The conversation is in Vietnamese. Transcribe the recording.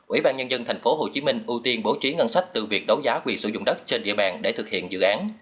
ủy ban nhân dân tp hcm ưu tiên bố trí ngân sách từ việc đấu giá quyền sử dụng đất trên địa bàn để thực hiện dự án